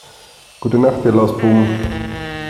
Gute Nacht ihr Lausbuben!